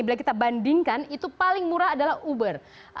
bila kita bandingkan itu paling murah adalah uber